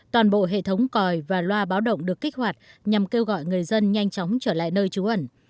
toàn bộ hệ thống còi và loa báo động được kích hoạt nhằm kêu gọi người dân nhanh chóng trở lại nơi trú ẩn